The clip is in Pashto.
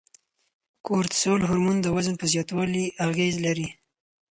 کورتسول هورمون د وزن په زیاتوالي اغیز لري.